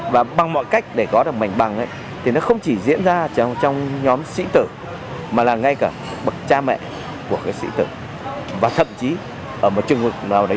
và bằng cách đó sinh viên có thể đưa đề bài ra ngoài